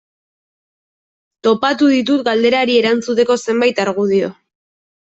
Topatu ditut galderari erantzuteko zenbait argudio.